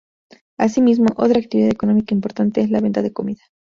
Así mismo, otra actividad económica importante es la venta de comida.